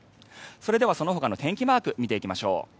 それではそのほかの天気マークを見てみましょう。